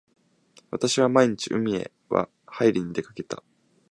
私は毎日海へはいりに出掛けた。